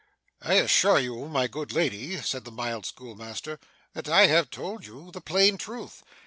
'I assure you, my good lady,' said the mild schoolmaster, 'that I have told you the plain truth.